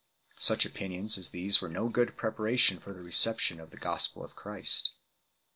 Such opinions as these were no good preparation for the reception of the gospel of Christ.